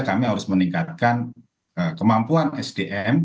kami harus meningkatkan kemampuan sdm